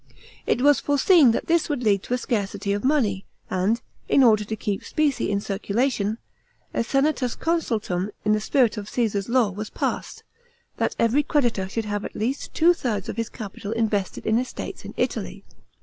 It was foreseen that this would lead to a scarcity of money, and, in order to keep specie in circulation, a senatusconsultum in the spirit of Caesar's law was passed, that every creditor should have at least two thirds of his capital invested in estates in Italy.